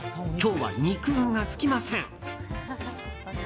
今日は肉運が尽きません。